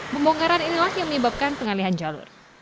pembongkaran inilah yang menyebabkan pengalihan jalur